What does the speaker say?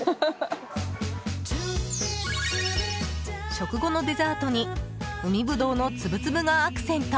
食後のデザートに海ぶどうの粒々がアクセント。